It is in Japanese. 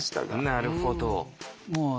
なるほど。